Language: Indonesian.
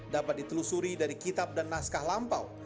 dapat ditelusuri dari kitab dan naskah lampau